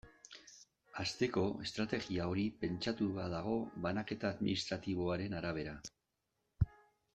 Hasteko, estrategia hori pentsatua dago banaketa administratiboaren arabera.